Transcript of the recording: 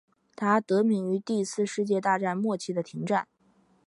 它得名于第一次世界大战末期的停战。